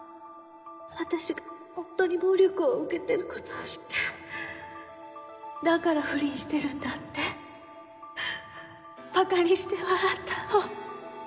私が夫に暴力を受けてる事を知って「だから不倫してるんだ」って馬鹿にして笑ったの。